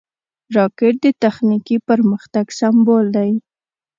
راکټ د تخنیکي پرمختګ سمبول دی